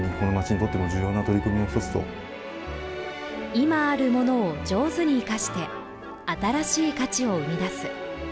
今あるものを上手に生かして新しい価値を生み出す。